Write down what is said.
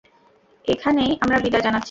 এখানেই আমরা বিদায় জানাচ্ছি।